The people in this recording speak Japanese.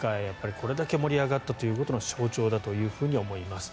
これだけ盛り上がったことの象徴だと思います。